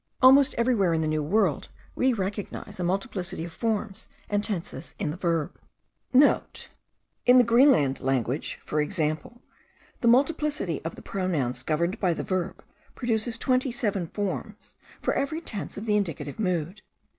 Almost everywhere in the New World we recognize a multiplicity of forms and tenses in the verb,* (* In the Greenland language, for example, the multiplicity of the pronouns governed by the verb produces twenty seven forms for every tense of the Indicative mood.